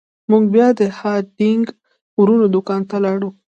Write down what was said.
موږ بیا د هارډینګ ورونو دکان ته لاړو.